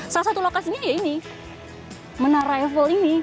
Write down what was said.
salah satu lokasinya ya ini menara eiffel ini